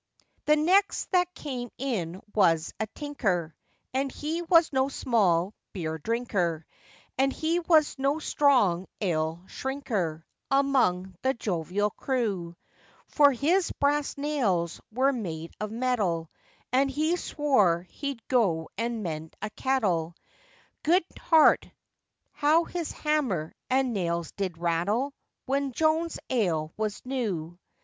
The next that came in was a tinker, And he was no small beer drinker, And he was no strong ale shrinker, Among the jovial crew: For his brass nails were made of metal, And he swore he'd go and mend a kettle, Good heart, how his hammer and nails did rattle, When Joan's ale was new!